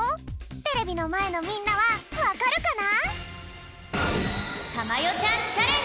テレビのまえのみんなはわかるかな？